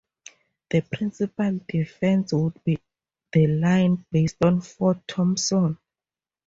The principal defense would be the line based on Fort Thompson.